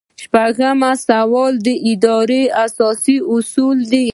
شپږ شپیتم سوال د ادارې اساسي اصول دي.